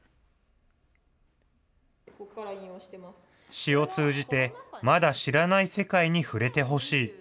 詩を通じてまだ知らない世界に触れてほしい。